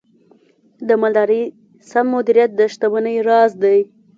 د مالدارۍ سم مدیریت د شتمنۍ راز دی.